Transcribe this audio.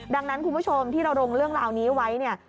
ดังนั้นคุณผู้ชมที่เราลงเรื่องราวนี้ไว้เนี่ย